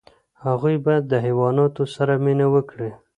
هغوی باید د حیواناتو سره مینه وکړي.